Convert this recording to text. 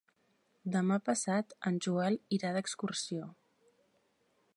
Demà passat en Joel irà d'excursió.